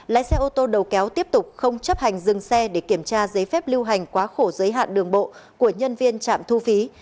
lái xe ô tô đầu kéo tiếp tục không chấp hành dừng xe để kiểm tra giấy phép lưu hành quá khổ giới hạn đường bộ của nhân viên trạm thu phí